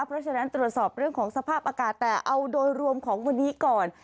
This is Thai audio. เพราะฉะนั้นตรวจสอบเรื่องของสภาพอากาศแต่เอาโดยรวมของวันนี้ก่อน